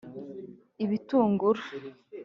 ibitunguru